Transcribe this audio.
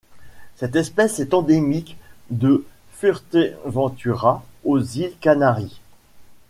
Cette espèce est endémique de Fuerteventura aux îles Canaries.